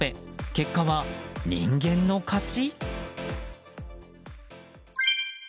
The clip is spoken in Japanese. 結果は人間の勝ち？